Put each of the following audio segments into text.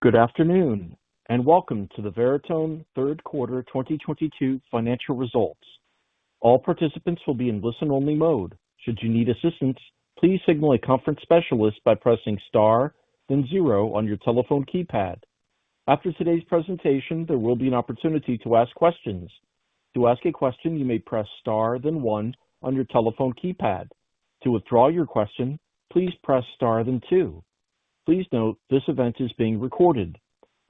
Good afternoon, and welcome to the Veritone third quarter 2022 financial results. All participants will be in listen-only mode. Should you need assistance, please signal a conference specialist by pressing star, then zero on your telephone keypad. After today's presentation, there will be an opportunity to ask questions. To ask a question, you may press star then one on your telephone keypad. To withdraw your question, please press star then two. Please note this event is being recorded.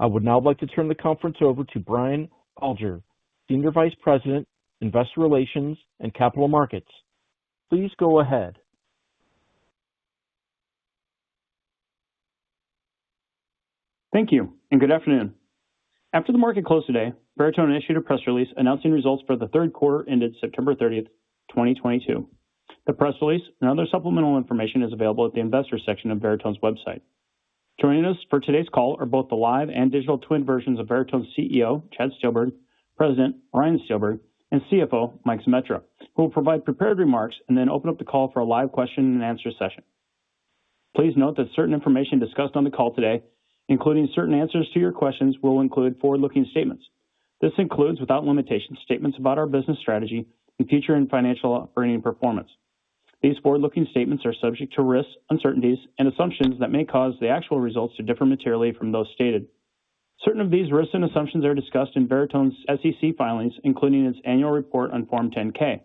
I would now like to turn the conference over to Brian Alger, Senior Vice President, Investor Relations and Capital Markets. Please go ahead. Thank you and good afternoon. After the market closed today, Veritone initiated a press release announcing results for the third quarter ended September 30, 2022. The press release and other supplemental information is available at the investor section of Veritone's website. Joining us for today's call are both the live and digital twin versions of Veritone CEO Chad Steelberg, President Ryan Steelberg, and CFO Mike Zemetra, who will provide prepared remarks and then open up the call for a live question and answer session. Please note that certain information discussed on the call today, including certain answers to your questions, will include forward-looking statements. This includes, without limitation, statements about our business strategy and future and financial operating performance. These forward-looking statements are subject to risks, uncertainties, and assumptions that may cause the actual results to differ materially from those stated. Certain of these risks and assumptions are discussed in Veritone's SEC filings, including its annual report on Form 10-K.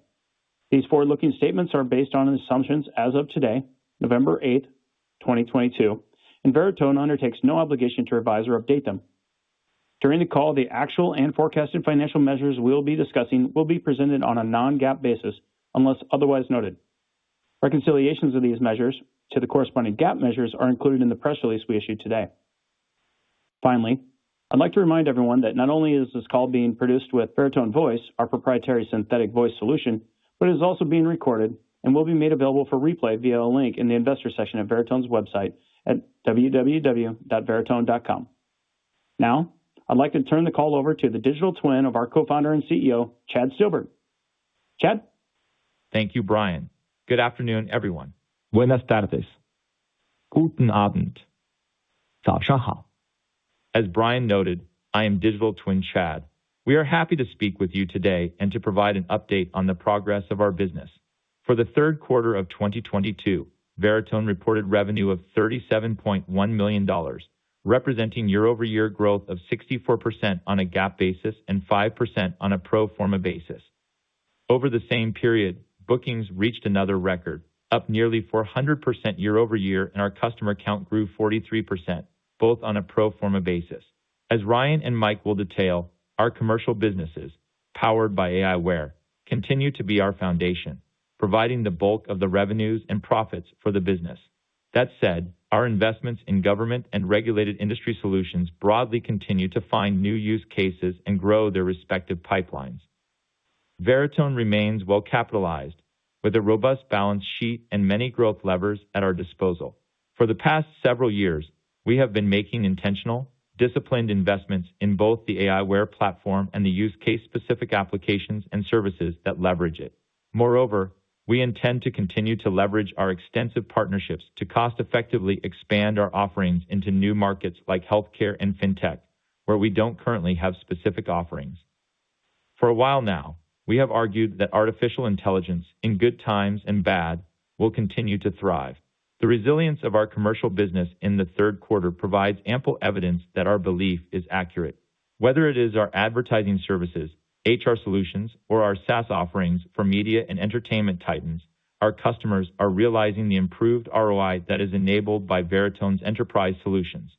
These forward-looking statements are based on assumptions as of today, November 8, 2022, and Veritone undertakes no obligation to revise or update them. During the call, the actual and forecasted financial measures we'll be discussing will be presented on a non-GAAP basis unless otherwise noted. Reconciliations of these measures to the corresponding GAAP measures are included in the press release we issued today. Finally, I'd like to remind everyone that not only is this call being produced with Veritone Voice, our proprietary synthetic voice solution, but it is also being recorded and will be made available for replay via a link in the investor section at Veritone's website at www.veritone.com. Now, I'd like to turn the call over to the digital twin of our co-founder and CEO, Chad Steelberg. Chad. Thank you, Brian. Good afternoon, everyone. Buenas tardes. Guten Abend. Xiàwǔ hǎo. As Brian noted, I am digital twin Chad. We are happy to speak with you today and to provide an update on the progress of our business. For the third quarter of 2022, Veritone reported revenue of $37.1 million, representing year-over-year growth of 64% on a GAAP basis and 5% on a pro forma basis. Over the same period, bookings reached another record, up nearly 400% year-over-year, and our customer count grew 43%, both on a pro forma basis. As Ryan and Mike will detail, our commercial businesses, powered by aiWARE, continue to be our foundation, providing the bulk of the revenues and profits for the business. That said, our investments in government and regulated industry solutions broadly continue to find new use cases and grow their respective pipelines. Veritone remains well capitalized with a robust balance sheet and many growth levers at our disposal. For the past several years, we have been making intentional, disciplined investments in both the aiWARE platform and the use case specific applications and services that leverage it. Moreover, we intend to continue to leverage our extensive partnerships to cost effectively expand our offerings into new markets like healthcare and fintech, where we don't currently have specific offerings. For a while now, we have argued that artificial intelligence in good times and bad will continue to thrive. The resilience of our commercial business in the third quarter provides ample evidence that our belief is accurate. Whether it is our advertising services, HR solutions, or our SaaS offerings for media and entertainment titans, our customers are realizing the improved ROI that is enabled by Veritone's enterprise solutions.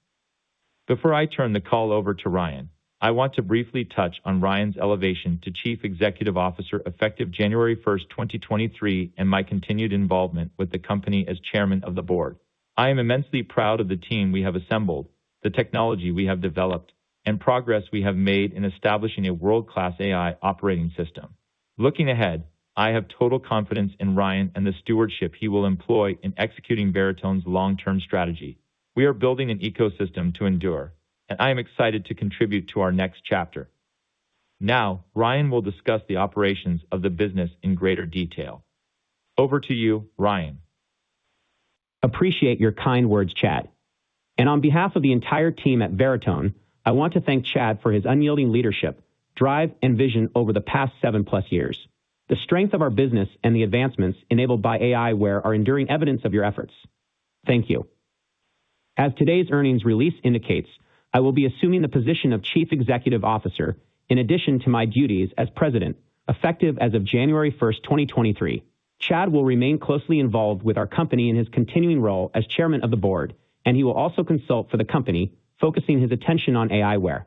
Before I turn the call over to Ryan, I want to briefly touch on Ryan's elevation to Chief Executive Officer effective January first, 2023, and my continued involvement with the company as Chairman of the Board. I am immensely proud of the team we have assembled, the technology we have developed, and progress we have made in establishing a world-class AI operating system. Looking ahead, I have total confidence in Ryan and the stewardship he will employ in executing Veritone's long-term strategy. We are building an ecosystem to endure, and I am excited to contribute to our next chapter. Now, Ryan will discuss the operations of the business in greater detail. Over to you, Ryan. Appreciate your kind words, Chad, and on behalf of the entire team at Veritone, I want to thank Chad for his unyielding leadership, drive, and vision over the past seven-plus years. The strength of our business and the advancements enabled by aiWARE are enduring evidence of your efforts. Thank you. As today's earnings release indicates, I will be assuming the position of Chief Executive Officer in addition to my duties as President, effective as of January 1, 2023. Chad will remain closely involved with our company in his continuing role as Chairman of the Board, and he will also consult for the company, focusing his attention on aiWARE.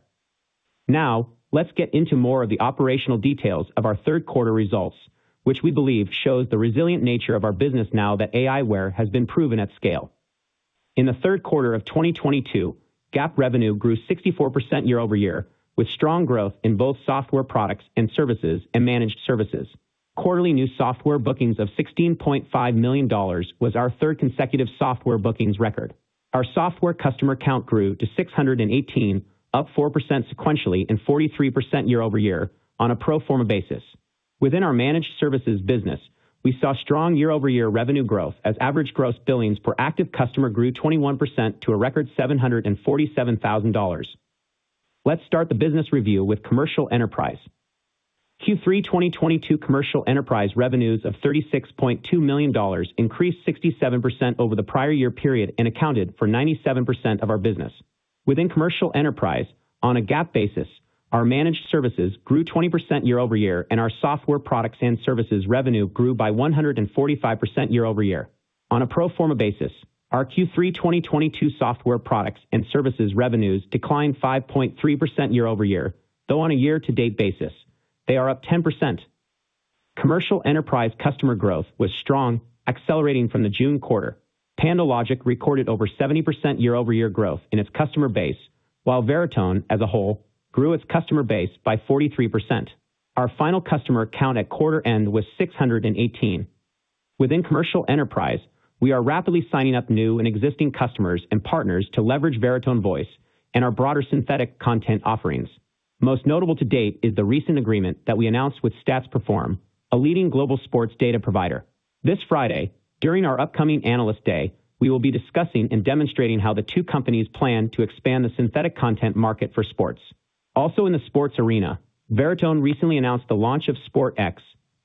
Now, let's get into more of the operational details of our third quarter results, which we believe shows the resilient nature of our business now that aiWARE has been proven at scale. In the third quarter of 2022, GAAP revenue grew 64% year-over-year, with strong growth in both software products and services and managed services. Quarterly new software bookings of $16.5 million was our third consecutive software bookings record. Our software customer count grew to 618, up 4% sequentially and 43% year-over-year on a pro forma basis. Within our managed services business, we saw strong year-over-year revenue growth as average gross billings per active customer grew 21% to a record $747,000. Let's start the business review with Commercial Enterprise. Q3 2022 Commercial Enterprise revenues of $36.2 million increased 67% over the prior year period and accounted for 97% of our business. Within Commercial Enterprise, on a GAAP basis, our managed services grew 20% year-over-year, and our software products and services revenue grew by 145% year-over-year. On a pro forma basis, our Q3 2022 software products and services revenues declined 5.3% year-over-year, though on a year-to-date basis, they are up 10%. Commercial Enterprise customer growth was strong, accelerating from the June quarter. PandoLogic recorded over 70% year-over-year growth in its customer base, while Veritone, as a whole, grew its customer base by 43%. Our final customer count at quarter end was 618. Within Commercial Enterprise, we are rapidly signing up new and existing customers and partners to leverage Veritone Voice and our broader synthetic content offerings. Most notable to date is the recent agreement that we announced with Stats Perform, a leading global sports data provider. This Friday, during our upcoming Analyst Day, we will be discussing and demonstrating how the two companies plan to expand the synthetic content market for sports. Also in the sports arena, Veritone recently announced the launch of SportX,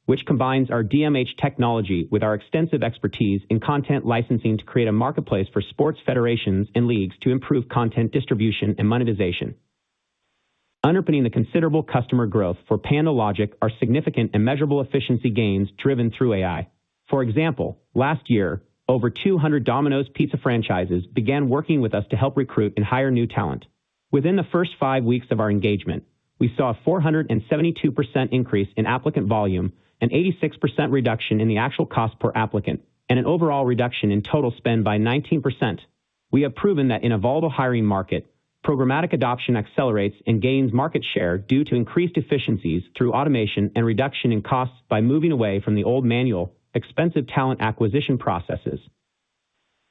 which combines our DMH technology with our extensive expertise in content licensing to create a marketplace for sports federations and leagues to improve content distribution and monetization. Underpinning the considerable customer growth for PandoLogic are significant and measurable efficiency gains driven through AI. For example, last year, over 200 Domino's Pizza franchises began working with us to help recruit and hire new talent. Within the first 5 weeks of our engagement, we saw a 472% increase in applicant volume, an 86% reduction in the actual cost per applicant, and an overall reduction in total spend by 19%. We have proven that in a volatile hiring market, programmatic adoption accelerates and gains market share due to increased efficiencies through automation and reduction in costs by moving away from the old manual, expensive talent acquisition processes.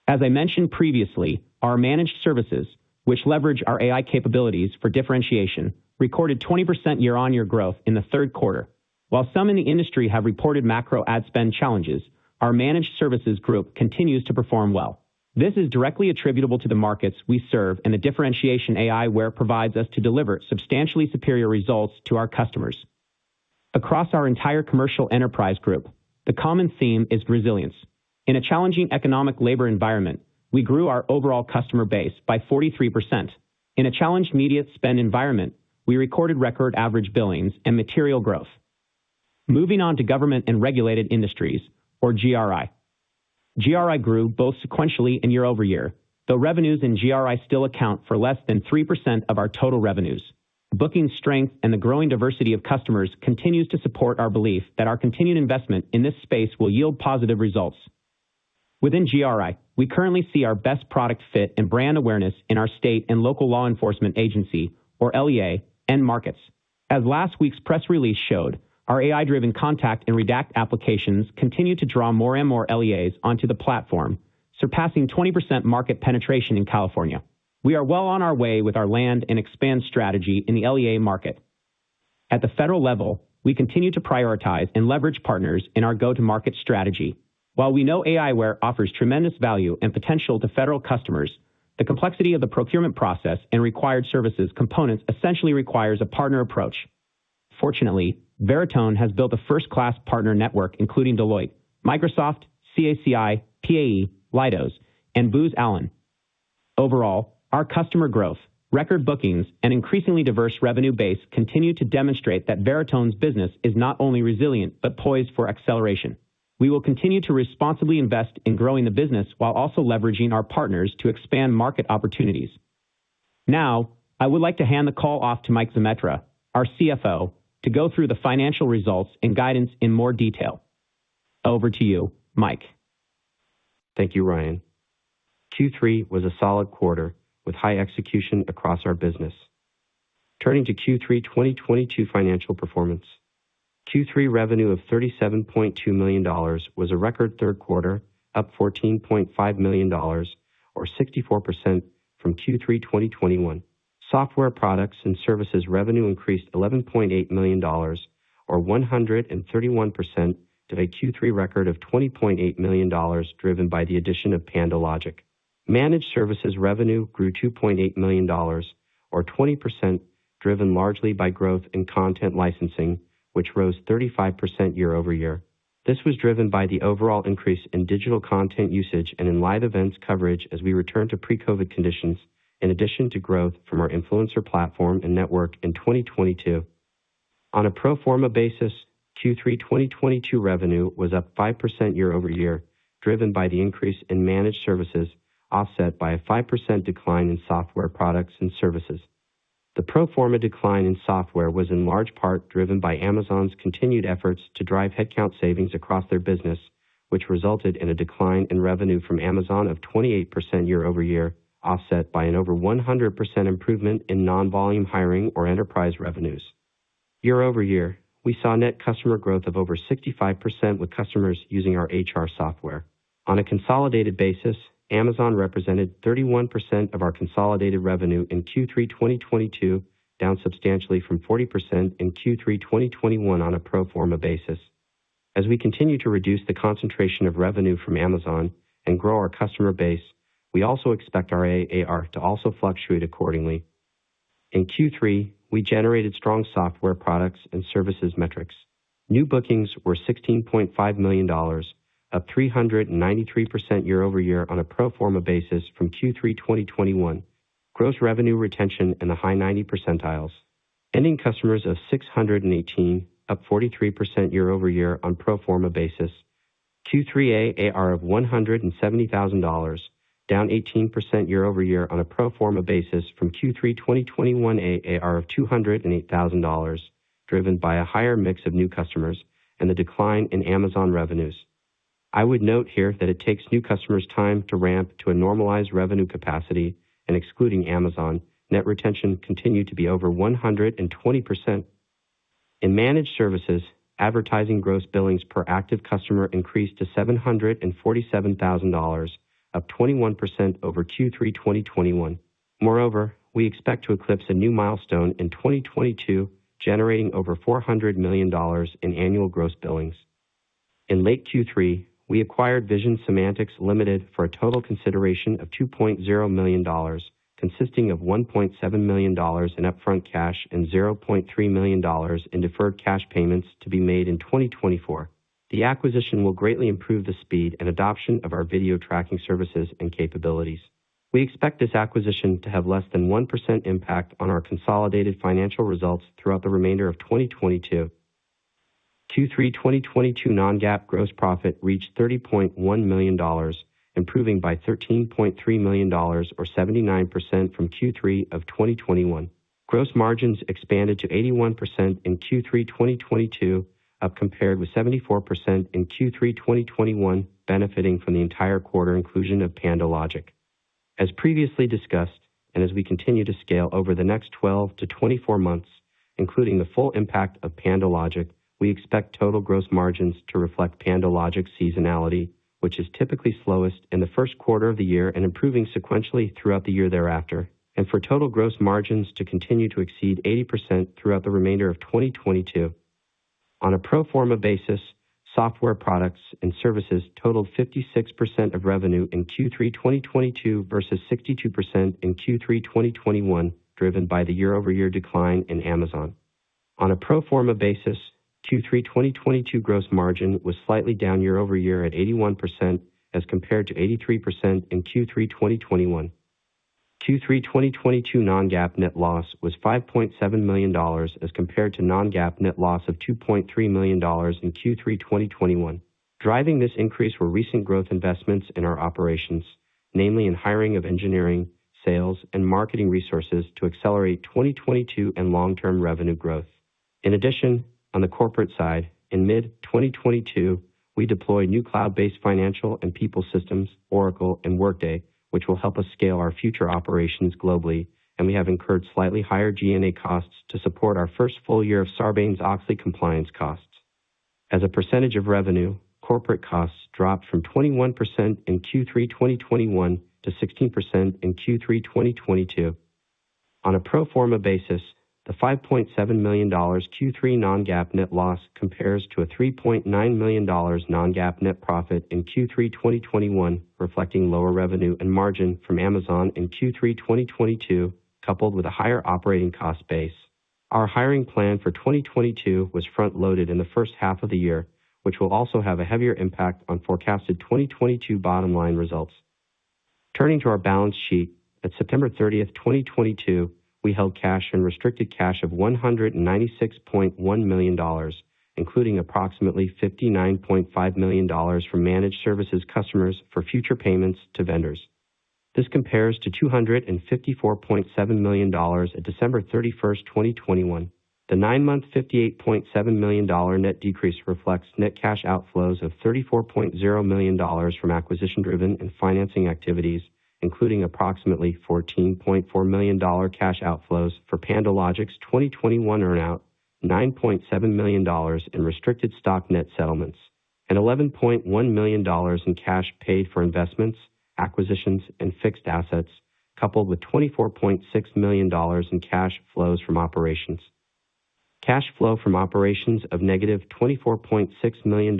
As I mentioned previously, our managed services, which leverage our AI capabilities for differentiation, recorded 20% year-on-year growth in the third quarter. While some in the industry have reported macro ad spend challenges, our managed services group continues to perform well. This is directly attributable to the markets we serve and the differentiation aiWARE provides us to deliver substantially superior results to our customers. Across our entire Commercial Enterprise group, the common theme is resilience. In a challenging economic labor environment, we grew our overall customer base by 43%. In a challenged media spend environment, we recorded record average billings and material growth. Moving on to Government and Regulated Industries or GRI. GRI grew both sequentially and year-over-year, though revenues in GRI still account for less than 3% of our total revenues. Booking strength and the growing diversity of customers continues to support our belief that our continued investment in this space will yield positive results. Within GRI, we currently see our best product fit and brand awareness in our state and local law enforcement agency, or LEA, end markets. As last week's press release showed, our AI-driven contact and redact applications continue to draw more and more LEAs onto the platform, surpassing 20% market penetration in California. We are well on our way with our land and expand strategy in the LEA market. At the federal level, we continue to prioritize and leverage partners in our go-to-market strategy. While we know aiWARE offers tremendous value and potential to federal customers, the complexity of the procurement process and required services components essentially requires a partner approach. Fortunately, Veritone has built a first-class partner network, including Deloitte, Microsoft, CACI, PAE, Leidos, and Booz Allen. Overall, our customer growth, record bookings, and increasingly diverse revenue base continue to demonstrate that Veritone's business is not only resilient, but poised for acceleration. We will continue to responsibly invest in growing the business while also leveraging our partners to expand market opportunities. Now, I would like to hand the call off to Mike Zemetra, our CFO, to go through the financial results and guidance in more detail. Over to you, Mike. Thank you, Ryan. Q3 was a solid quarter with high execution across our business. Turning to Q3 2022 financial performance. Q3 revenue of $37.2 million was a record third quarter, up $14.5 million or 64% from Q3 2021. Software products and services revenue increased $11.8 million or 131% to a Q3 record of $20.8 million, driven by the addition of PandoLogic. Managed services revenue grew $2.8 million or 20%, driven largely by growth in content licensing, which rose 35% year-over-year. This was driven by the overall increase in digital content usage and in live events coverage as we return to pre-COVID conditions, in addition to growth from our influencer platform and network in 2022. On a pro forma basis, Q3 2022 revenue was up 5% year-over-year, driven by the increase in managed services, offset by a 5% decline in software products and services. The pro forma decline in software was in large part driven by Amazon's continued efforts to drive headcount savings across their business, which resulted in a decline in revenue from Amazon of 28% year-over-year, offset by an over 100% improvement in non-volume hiring or enterprise revenues. Year-over-year, we saw net customer growth of over 65% with customers using our HR software. On a consolidated basis, Amazon represented 31% of our consolidated revenue in Q3 2022, down substantially from 40% in Q3 2021 on a pro forma basis. As we continue to reduce the concentration of revenue from Amazon and grow our customer base, we also expect our AAR to also fluctuate accordingly. In Q3, we generated strong software products and services metrics. New bookings were $16.5 million, up 393% year-over-year on a pro forma basis from Q3 2021. Gross revenue retention in the high 90s. Ending customers of 618, up 43% year-over-year on pro forma basis. Q3 AAR of $170,000, down 18% year-over-year on a pro forma basis from Q3 2021 AAR of $208,000, driven by a higher mix of new customers and the decline in Amazon revenues. I would note here that it takes new customers time to ramp to a normalized revenue capacity, and excluding Amazon, net retention continued to be over 120%. In managed services, advertising gross billings per active customer increased to $747,000, up 21% over Q3 2021. Moreover, we expect to eclipse a new milestone in 2022, generating over $400 million in annual gross billings. In late Q3, we acquired Vision Semantics Ltd for a total consideration of $2.0 million, consisting of $1.7 million in upfront cash and $0.3 million in deferred cash payments to be made in 2024. The acquisition will greatly improve the speed and adoption of our video tracking services and capabilities. We expect this acquisition to have less than 1% impact on our consolidated financial results throughout the remainder of 2022. Q3 2022 non-GAAP gross profit reached $30.1 million, improving by $13.3 million or 79% from Q3 of 2021. Gross margins expanded to 81% in Q3 2022, up compared with 74% in Q3 2021, benefiting from the entire quarter inclusion of PandoLogic. As previously discussed, as we continue to scale over the next 12-24 months, including the full impact of PandoLogic, we expect total gross margins to reflect PandoLogic's seasonality, which is typically slowest in the first quarter of the year and improving sequentially throughout the year thereafter, and for total gross margins to continue to exceed 80% throughout the remainder of 2022. On a pro forma basis, software products and services totaled 56% of revenue in Q3 2022 versus 62% in Q3 2021, driven by the year-over-year decline in Amazon. On a pro forma basis, Q3 2022 gross margin was slightly down year over year at 81% as compared to 83% in Q3 2021. Q3 2022 non-GAAP net loss was $5.7 million as compared to non-GAAP net loss of $2.3 million in Q3 2021. Driving this increase were recent growth investments in our operations, namely in hiring of engineering, sales, and marketing resources to accelerate 2022 and long-term revenue growth. In addition, on the corporate side, in mid-2022, we deployed new cloud-based financial and people systems, Oracle and Workday, which will help us scale our future operations globally, and we have incurred slightly higher G&A costs to support our first full year of Sarbanes-Oxley compliance costs. As a percentage of revenue, corporate costs dropped from 21% in Q3 2021 to 16% in Q3 2022. On a pro forma basis, the $5.7 million Q3 non-GAAP net loss compares to a $3.9 million non-GAAP net profit in Q3 2021, reflecting lower revenue and margin from Amazon in Q3 2022, coupled with a higher operating cost base. Our hiring plan for 2022 was front-loaded in the first half of the year, which will also have a heavier impact on forecasted 2022 bottom line results. Turning to our balance sheet, at September 30, 2022, we held cash and restricted cash of $196.1 million, including approximately $59.5 million from managed services customers for future payments to vendors. This compares to $254.7 million at December 31, 2021. The 9-month $58.7 million net decrease reflects net cash outflows of $34.0 million from acquisition-driven and financing activities, including approximately $14.4 million cash outflows for PandoLogic's 2021 earn-out, $9.7 million in restricted stock net settlements, and $11.1 million in cash paid for investments, acquisitions, and fixed assets, coupled with $24.6 million in cash flows from operations. Cash flow from operations of negative $24.6 million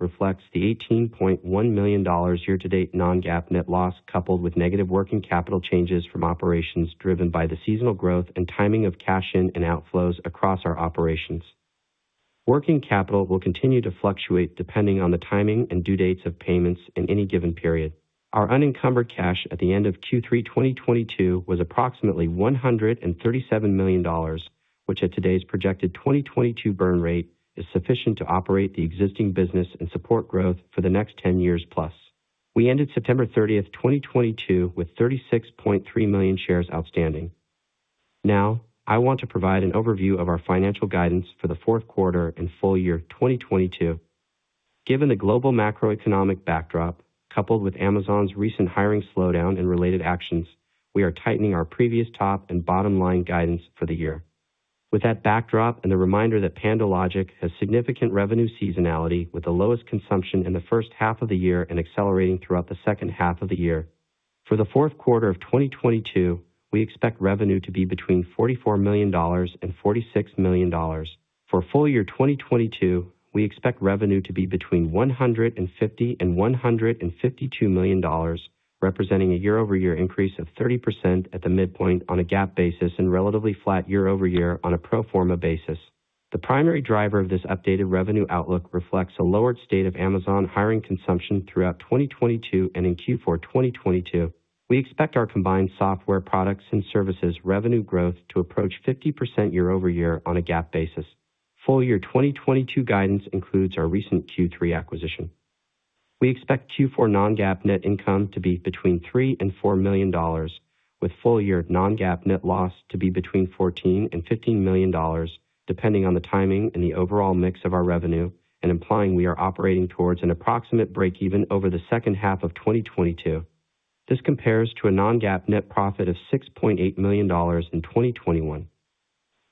reflects the $18.1 million year-to-date non-GAAP net loss, coupled with negative working capital changes from operations driven by the seasonal growth and timing of cash in and outflows across our operations. Working capital will continue to fluctuate depending on the timing and due dates of payments in any given period. Our unencumbered cash at the end of Q3 2022 was approximately $137 million, which at today's projected 2022 burn rate is sufficient to operate the existing business and support growth for the next 10 years plus. We ended September 30, 2022, with 36.3 million shares outstanding. Now, I want to provide an overview of our financial guidance for the fourth quarter and full year 2022. Given the global macroeconomic backdrop, coupled with Amazon's recent hiring slowdown and related actions, we are tightening our previous top and bottom line guidance for the year. With that backdrop and the reminder that PandoLogic has significant revenue seasonality with the lowest consumption in the first half of the year and accelerating throughout the second half of the year. For the fourth quarter of 2022, we expect revenue to be between $44 million and $46 million. For full year 2022, we expect revenue to be between $150 million and $152 million, representing a year-over-year increase of 30% at the midpoint on a GAAP basis and relatively flat year over year on a pro forma basis. The primary driver of this updated revenue outlook reflects a lowered state of Amazon hiring consumption throughout 2022 and in Q4 2022. We expect our combined software products and services revenue growth to approach 50% year over year on a GAAP basis. Full year 2022 guidance includes our recent Q3 acquisition. We expect Q4 non-GAAP net income to be between $3 million and $4 million, with full year non-GAAP net loss to be between $14 million and $15 million, depending on the timing and the overall mix of our revenue, and implying we are operating towards an approximate break even over the second half of 2022. This compares to a non-GAAP net profit of $6.8 million in 2021.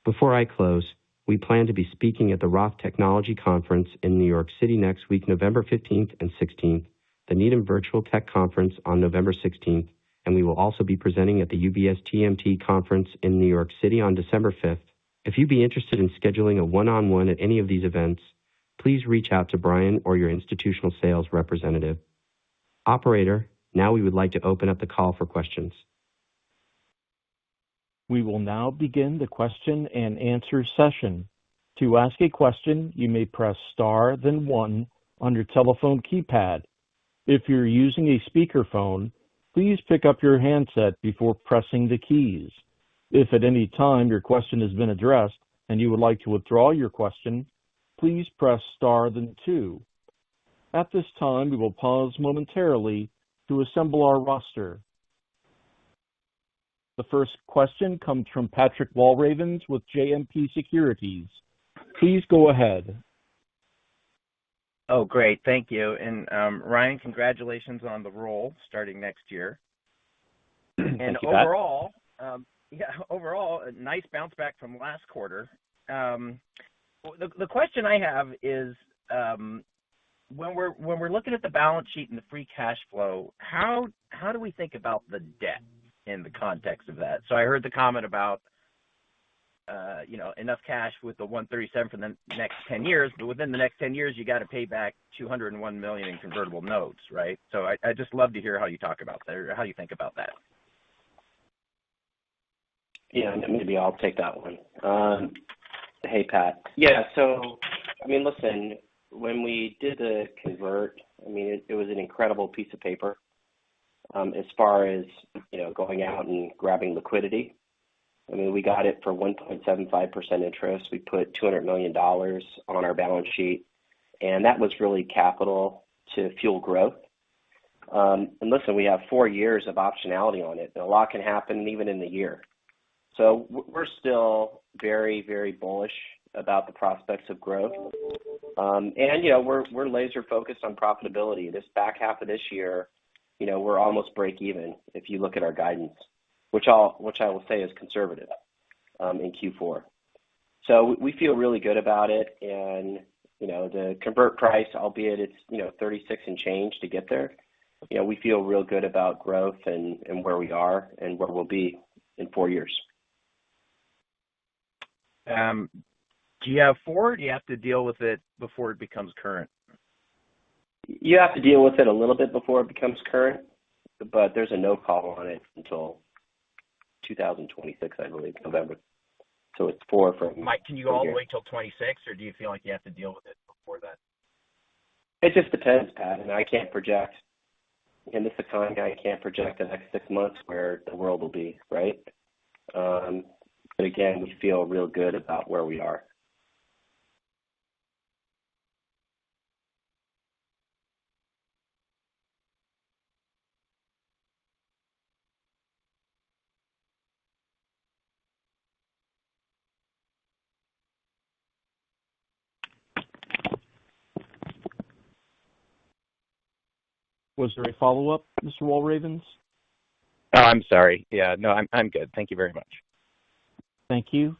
Before I close, we plan to be speaking at the Roth Technology Event in New York City next week, November fifteenth and sixteenth, the Needham 4th Annual Virtual Big Data and Infrastructure Conference on November sixteenth, and we will also be presenting at the UBS Global TMT Conference in New York City on December fifth. If you'd be interested in scheduling a one-on-one at any of these events, please reach out to Brian or your institutional sales representative. Operator, now we would like to open up the call for questions. We will now begin the question and answer session. To ask a question, you may press star then one on your telephone keypad. If you're using a speakerphone, please pick up your handset before pressing the keys. If at any time your question has been addressed and you would like to withdraw your question, please press star then two. At this time, we will pause momentarily to assemble our roster. The first question comes from Patrick Walravens with JMP Securities. Please go ahead. Oh, great. Thank you. Ryan, congratulations on the role starting next year. Thanks, Pat. Overall, a nice bounce back from last quarter. The question I have is, when we're looking at the balance sheet and the free cash flow, how do we think about the debt in the context of that? I heard the comment about, you know, enough cash with the $137 million for the next 10 years, but within the next 10 years, you got to pay back $201 million in convertible notes, right? I just love to hear how you talk about that or how you think about that. Yeah. Maybe I'll take that one. Hey, Pat. Yeah. I mean, listen, when we did the convert, I mean, it was an incredible piece of paper, as far as, you know, going out and grabbing liquidity. I mean, we got it for 1.75% interest. We put $200 million on our balance sheet, and that was really capital to fuel growth. Listen, we have 4 years of optionality on it. A lot can happen even in a year. We're still very, very bullish about the prospects of growth. You know, we're laser focused on profitability. This back half of this year, you know, we're almost break even if you look at our guidance, which I will say is conservative, in Q4. We feel really good about it. You know, the conversion price, albeit it's, you know, 36 and change to get there. You know, we feel real good about growth and where we are and where we'll be in 4 years. Do you have 4? Do you have to deal with it before it becomes current? You have to deal with it a little bit before it becomes current, but there's a no call on it until 2026, I believe, November. It's four from- Mike, can you all wait till 26, or do you feel like you have to deal with it before that? It just depends, Pat, and I can't project. In this economy, I can't project the next six months where the world will be, right? Again, we feel real good about where we are. Was there a follow-up, Mr. Walravens? I'm sorry. Yeah, no, I'm good. Thank you very much. Thank you.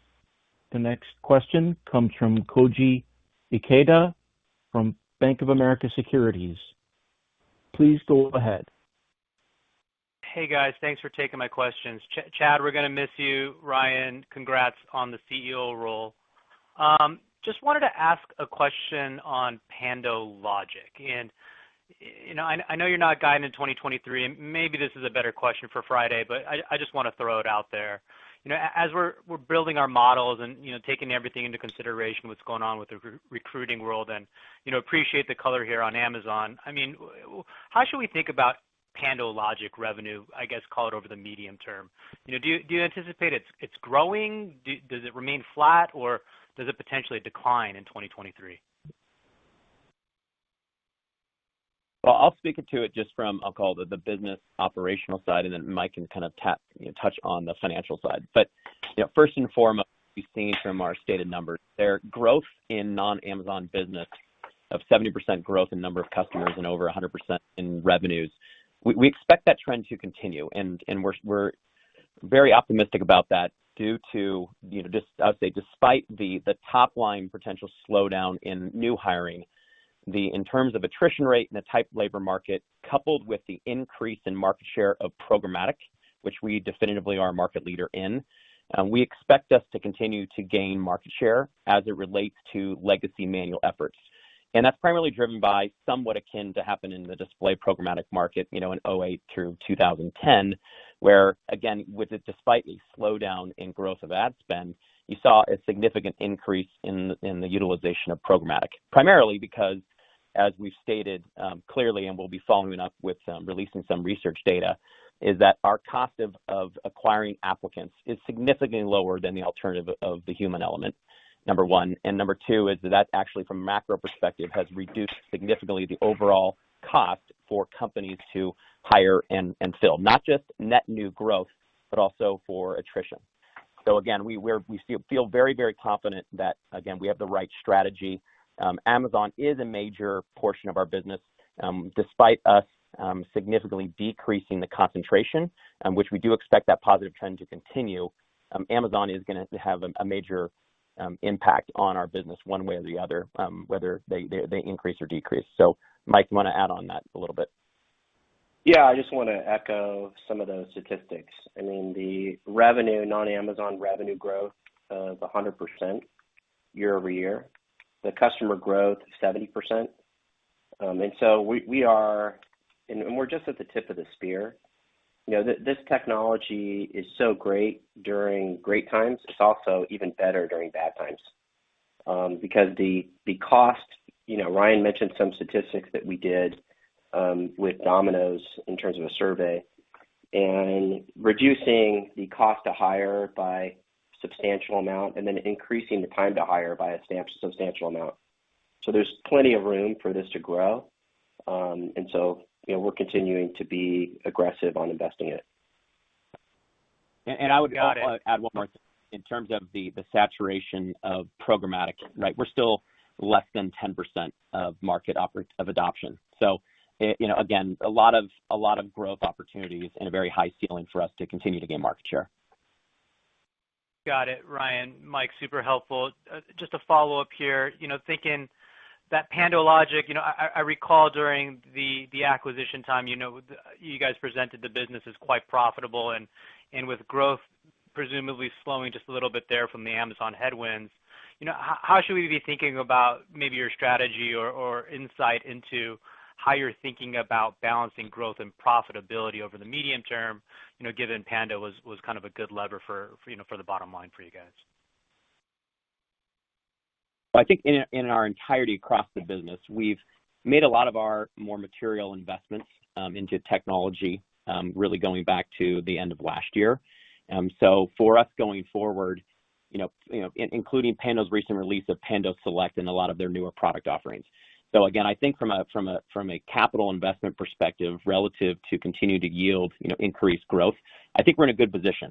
The next question comes from Koji Ikeda from Bank of America Securities. Please go ahead. Hey, guys. Thanks for taking my questions. Chad, we're gonna miss you. Ryan, congrats on the CEO role. Just wanted to ask a question on PandoLogic. You know, I know you're not guiding in 2023, and maybe this is a better question for Friday, but I just wanna throw it out there. As we're building our models and taking everything into consideration, what's going on with the recruiting world and appreciate the color here on Amazon. I mean, how should we think about PandoLogic revenue, I guess, call it over the medium term? You know, do you anticipate it's growing? Does it remain flat, or does it potentially decline in 2023? Well, I'll speak to it just from, I'll call the business operational side, and then Mike can kind of, you know, touch on the financial side. You know, first and foremost, we've seen from our stated numbers their growth in non-Amazon business. Of 70% growth in number of customers and over 100% in revenues. We expect that trend to continue, and we're very optimistic about that due to, you know, I would say despite the top line potential slowdown in new hiring, in terms of attrition rate and the type of labor market, coupled with the increase in market share of programmatic, which we definitively are a market leader in, we expect us to continue to gain market share as it relates to legacy manual efforts. That's primarily driven by somewhat akin to what happened in the display programmatic market, you know, in 2008 through 2010, where again, despite a slowdown in growth of ad spend, you saw a significant increase in the utilization of programmatic. Primarily because, as we've stated, clearly, and we'll be following up with releasing some research data, is that our cost of acquiring applicants is significantly lower than the alternative of the human element, number one. Number two is that actually, from a macro perspective, has reduced significantly the overall cost for companies to hire and fill, not just net new growth, but also for attrition. Again, we feel very confident that, again, we have the right strategy. Amazon is a major portion of our business, despite us significantly decreasing the concentration, which we do expect that positive trend to continue. Amazon is gonna have a major impact on our business one way or the other, whether they increase or decrease. Mike, you wanna add on that a little bit? Yeah, I just wanna echo some of those statistics. I mean, the revenue, non-Amazon revenue growth, is 100% year-over-year. The customer growth, 70%. We are just at the tip of the spear. You know, this technology is so great during great times. It's also even better during bad times. Because the cost, you know, Ryan mentioned some statistics that we did with Domino's in terms of a survey, and reducing the cost to hire by substantial amount and then increasing the time to hire by a substantial amount. So there's plenty of room for this to grow. You know, we're continuing to be aggressive on investing in it. I would. Got it. Add one more thing. In terms of the saturation of programmatic, right? We're still less than 10% of market adoption. So, you know, again, a lot of growth opportunities and a very high ceiling for us to continue to gain market share. Got it, Ryan. Mike, super helpful. Just a follow-up here. You know, thinking that PandoLogic, you know, I recall during the acquisition time, you know, you guys presented the business as quite profitable and with growth presumably slowing just a little bit there from the Amazon headwinds. You know, how should we be thinking about maybe your strategy or insight into how you're thinking about balancing growth and profitability over the medium term, you know, given PandoLogic was kind of a good lever for, you know, for the bottom line for you guys? I think in our entirety across the business, we've made a lot of our more material investments into technology really going back to the end of last year. For us going forward, you know, including PandoLogic's recent release of pandoSELECT and a lot of their newer product offerings. Again, I think from a capital investment perspective relative to continuing to yield, you know, increased growth, I think we're in a good position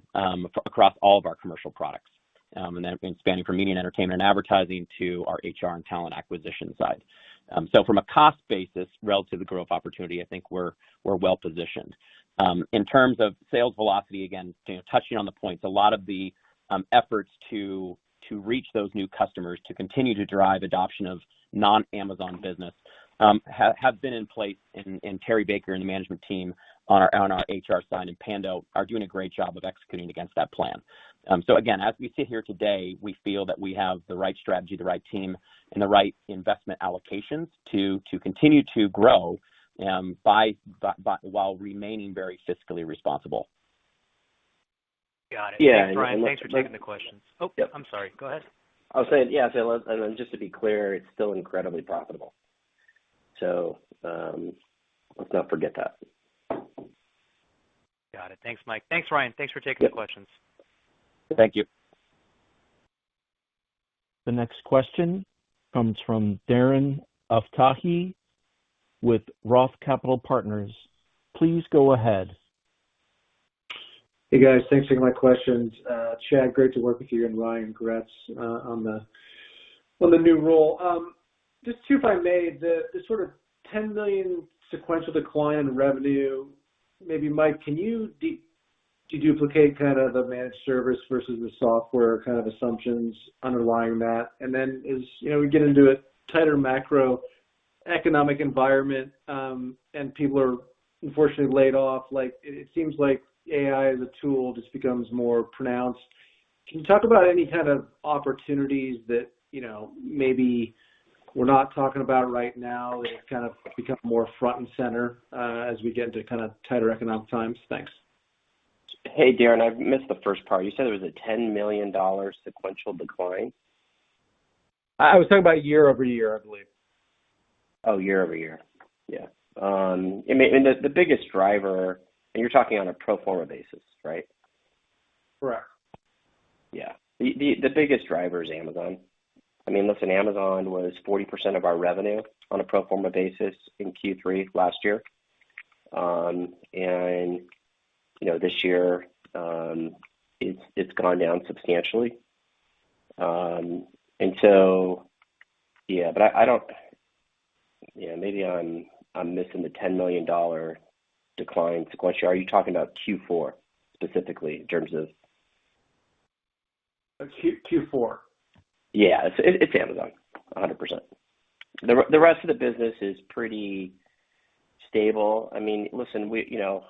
across all of our commercial products and that's been spanning from media and entertainment and advertising to our HR and talent acquisition side. From a cost basis relative to growth opportunity, I think we're well positioned. In terms of sales velocity, again, you know, touching on the points, a lot of the efforts to reach those new customers, to continue to drive adoption of non-Amazon business, have been in place, and Terry Baker and the management team on our HR side and Pando are doing a great job of executing against that plan. So again, as we sit here today, we feel that we have the right strategy, the right team and the right investment allocations to continue to grow by while remaining very fiscally responsible. Got it. Yeah. Ryan, thanks for taking the questions. Oh, I'm sorry. Go ahead. I was saying, yeah, and then just to be clear, it's still incredibly profitable. Let's not forget that. Got it. Thanks, Mike. Thanks, Ryan. Thanks for taking the questions. Thank you. The next question comes from Darren Aftahi with Roth Capital Partners. Please go ahead. Hey, guys. Thanks for taking my questions. Chad, great to work with you and Ryan. Congrats on the new role. Just two, if I may. The sort of $10 million sequential decline in revenue, maybe Mike, can you de-deduplicate kind of the managed service versus the software kind of assumptions underlying that? Then as you know, we get into a tighter macroeconomic environment and people are unfortunately laid off, like it seems like AI as a tool just becomes more pronounced. Can you talk about any kind of opportunities that you know, maybe we're not talking about right now that kind of become more front and center as we get into kind of tighter economic times? Thanks. Hey, Darren. I missed the first part. You said there was a $10 million sequential decline? I was talking about year-over-year, I believe. Oh, year-over-year. Yeah. I mean, the biggest driver. You're talking on a pro forma basis, right? Correct. Yeah. The biggest driver is Amazon. I mean, listen, Amazon was 40% of our revenue on a pro forma basis in Q3 last year. You know, this year, it's gone down substantially. Yeah. Yeah, maybe I'm missing the $10 million decline sequential. Are you talking about Q4 specifically in terms of- Q4. Yeah. It's Amazon, 100 percent. The rest of the business is pretty stable. I mean, listen, you know,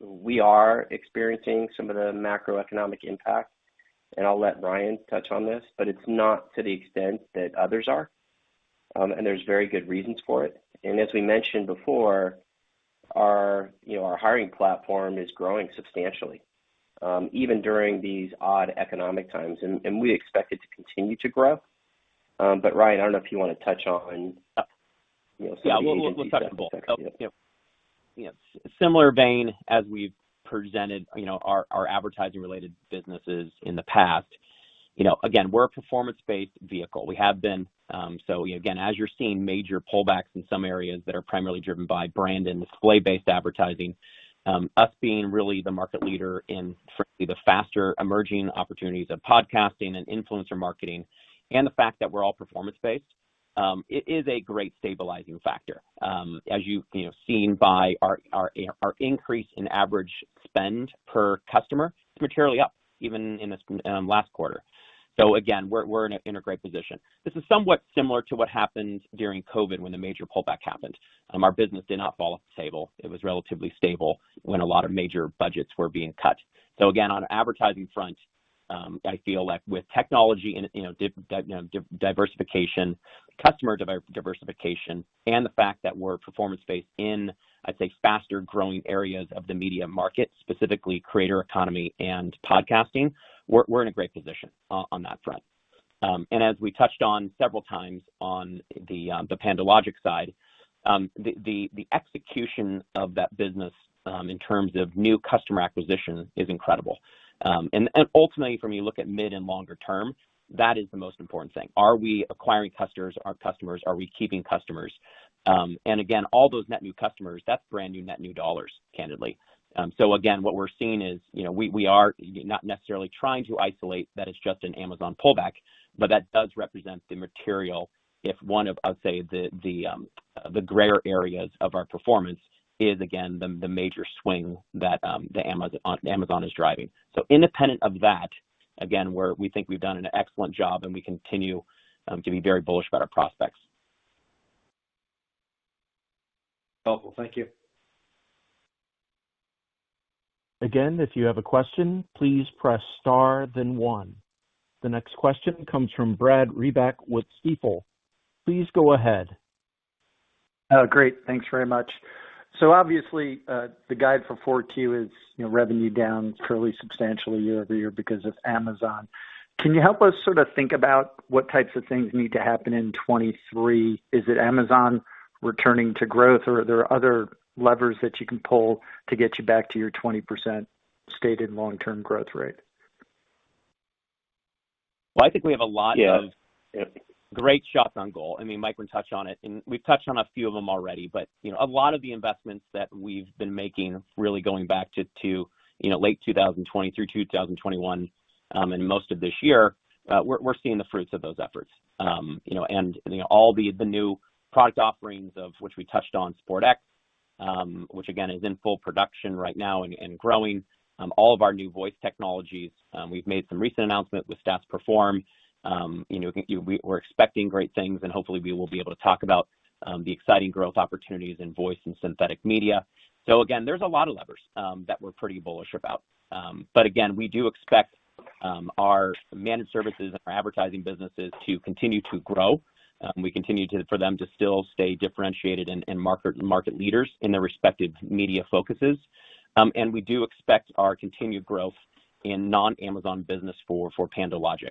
we are experiencing some of the macroeconomic impact, and I'll let Ryan touch on this, but it's not to the extent that others are. There's very good reasons for it. As we mentioned before, you know, our hiring platform is growing substantially, even during these odd economic times, and we expect it to continue to grow. But Ryan, I don't know if you want to touch on, you know, some of the agency perspective. Yeah. Yeah. We'll touch on both. You know, similar vein as we've presented, you know, our advertising related businesses in the past. You know, again, we're a performance-based vehicle. So again, as you're seeing major pullbacks in some areas that are primarily driven by brand and display-based advertising, us being really the market leader in frankly the faster emerging opportunities of podcasting and influencer marketing and the fact that we're all performance-based, it is a great stabilizing factor. As you've, you know, seen by our increase in average spend per customer is materially up even in this last quarter. Again, we're in a great position. This is somewhat similar to what happened during COVID when the major pullback happened. Our business did not fall off the table. It was relatively stable when a lot of major budgets were being cut. Again, on advertising front, I feel like with technology and, you know, diversification, customer diversification, and the fact that we're performance-based in, I'd say, faster growing areas of the media market, specifically creator economy and podcasting, we're in a great position on that front. As we touched on several times on the PandoLogic side, the execution of that business in terms of new customer acquisition is incredible. Ultimately for me, look at mid and longer term, that is the most important thing. Are we acquiring customers? Are we keeping customers? Again, all those net new customers, that's brand new net new dollars, candidly. Again, what we're seeing is, you know, we are not necessarily trying to isolate that it's just an Amazon pullback, but that does represent the material if one of, I would say, the gray areas of our performance is again, the major swing that Amazon is driving. Independent of that, again, we think we've done an excellent job and we continue to be very bullish about our prospects. Helpful. Thank you. Again, if you have a question, please press star then one. The next question comes from Brad Reback with Stifel. Please go ahead. Oh, great. Thanks very much. Obviously, the guide for 4Q is revenue down fairly substantially year-over-year because of Amazon. Can you help us sort of think about what types of things need to happen in 2023? Is it Amazon returning to growth or are there other levers that you can pull to get you back to your 20% stated long-term growth rate? Well, I think we have a lot of. Yeah. Great shots on goal. I mean, Mike can touch on it, and we've touched on a few of them already. You know, a lot of the investments that we've been making, really going back to, you know, late 2020 through 2021, and most of this year, we're seeing the fruits of those efforts. You know, all the new product offerings of which we touched on, SPORTX, which again is in full production right now and growing, all of our new voice technologies. We've made some recent announcements with Stats Perform. You know, we're expecting great things, and hopefully we will be able to talk about the exciting growth opportunities in voice and synthetic media. Again, there's a lot of levers that we're pretty bullish about. Again, we do expect our managed services and our advertising businesses to continue to grow. For them to still stay differentiated and market leaders in their respective media focuses. We do expect our continued growth in non-Amazon business for PandoLogic.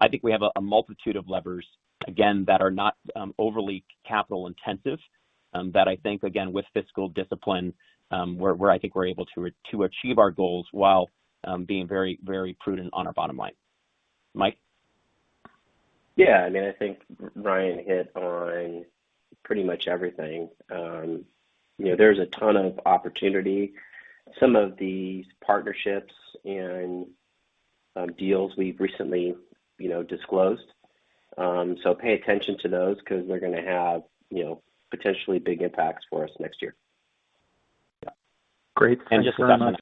I think we have a multitude of levers, again, that are not overly capital intensive, that I think again, with fiscal discipline, we're able to achieve our goals while being very prudent on our bottom line. Mike. Yeah. I mean, I think Ryan hit on pretty much everything. You know, there's a ton of opportunity, some of these partnerships and deals we've recently, you know, disclosed. Pay attention to those 'cause they're gonna have, you know, potentially big impacts for us next year. Great. Thanks very much.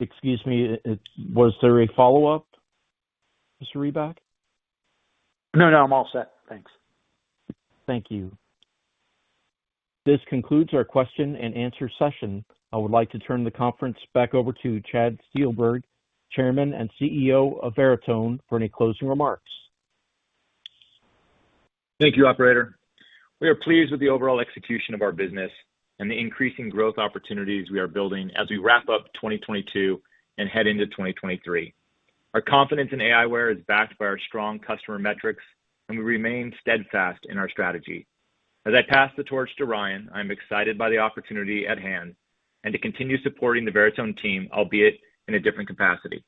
Yeah. Thank you. Excuse me, was there a follow-up, Mr. Reback? No, no, I'm all set. Thanks. Thank you. This concludes our question and answer session. I would like to turn the conference back over to Chad Steelberg, Chairman and CEO of Veritone, for any closing remarks. Thank you, operator. We are pleased with the overall execution of our business and the increasing growth opportunities we are building as we wrap up 2022 and head into 2023. Our confidence in aiWARE is backed by our strong customer metrics, and we remain steadfast in our strategy. As I pass the torch to Ryan, I'm excited by the opportunity at hand and to continue supporting the Veritone team, albeit in a different capacity.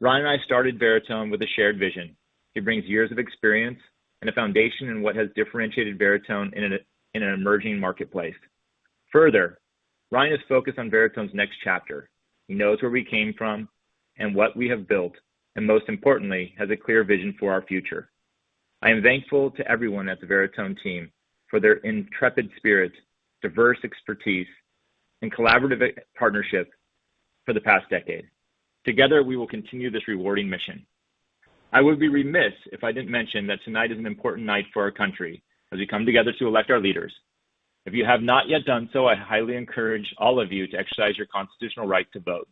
Ryan and I started Veritone with a shared vision. He brings years of experience and a foundation in what has differentiated Veritone in an emerging marketplace. Further, Ryan is focused on Veritone's next chapter. He knows where we came from and what we have built, and most importantly, has a clear vision for our future. I am thankful to everyone at the Veritone team for their intrepid spirit, diverse expertise, and collaborative partnership for the past decade. Together, we will continue this rewarding mission. I would be remiss if I didn't mention that tonight is an important night for our country as we come together to elect our leaders. If you have not yet done so, I highly encourage all of you to exercise your constitutional right to vote.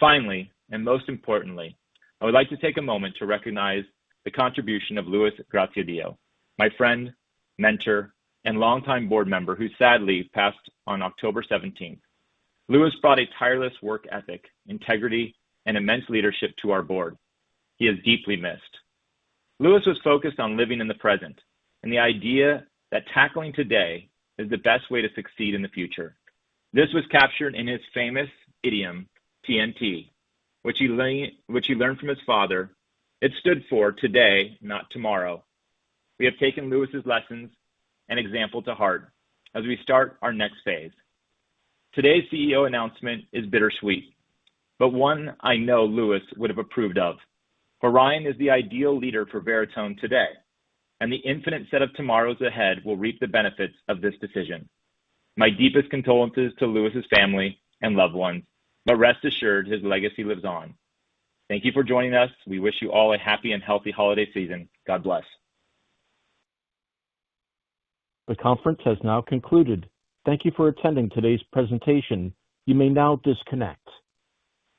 Finally, and most importantly, I would like to take a moment to recognize the contribution of Louis Graziadio, my friend, mentor, and longtime board member, who sadly passed on October seventeenth. Louis brought a tireless work ethic, integrity, and immense leadership to our board. He is deeply missed. Louis was focused on living in the present and the idea that tackling today is the best way to succeed in the future. This was captured in his famous idiom, TNT, which he learned from his father. It stood for Today Not Tomorrow. We have taken Louis's lessons and example to heart as we start our next phase. Today's CEO announcement is bittersweet, but one I know Louis would have approved of, for Ryan is the ideal leader for Veritone today, and the infinite set of tomorrows ahead will reap the benefits of this decision. My deepest condolences to Louis's family and loved ones, but rest assured his legacy lives on. Thank you for joining us. We wish you all a happy and healthy holiday season. God bless. The conference has now concluded. Thank you for attending today's presentation. You may now disconnect.